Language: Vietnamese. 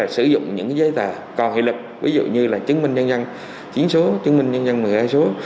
sử dụng những giấy tờ còn hiệu lực ví dụ như là chứng minh nhân dân chứng số chứng minh nhân dân một mươi hai số